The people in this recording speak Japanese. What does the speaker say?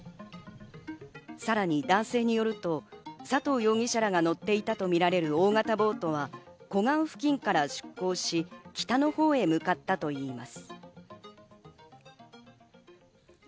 さらに男性によると、佐藤容疑者らが乗っていたとみられる大型ボートは、湖岸付近から出港し、北のほうに向かっていたといいます。